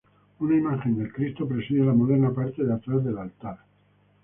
Una imagen del Cristo preside la moderna parte de atrás del altar.